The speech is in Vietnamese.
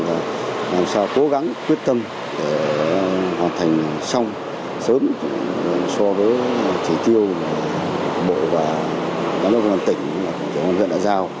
và làm sao cố gắng quyết tâm hoàn thành xong sớm so với chỉ tiêu bộ và các nông dân tỉnh